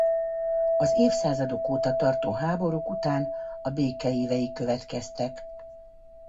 Az évszázadok óta tartó háborúk után a béke évei következtek.